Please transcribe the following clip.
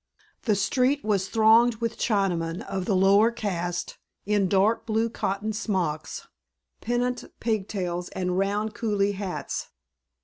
The street was thronged with Chinamen of the lower caste in dark blue cotton smocks, pendent pigtails, and round coolie hats.